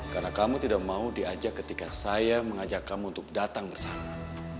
karena kamu tidak mau diajak ketika saya mengajak kamu untuk datang bersama